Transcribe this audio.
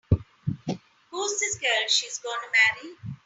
Who's this gal she's gonna marry?